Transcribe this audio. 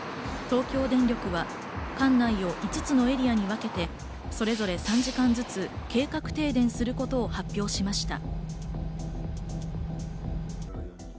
東京電力は管内を５つのエリアに分けて、それぞれ３時間ずつ計画停電することを発表しました。